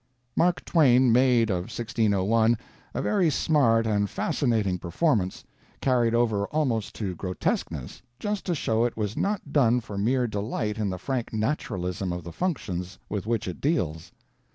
Mark Twain made of 1601 a very smart and fascinating performance, carried over almost to grotesqueness just to show it was not done for mere delight in the frank naturalism of the functions with which it deals.